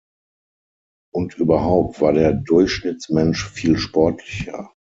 Und überhaupt war der Durchschnittsmensch viel sportlicher.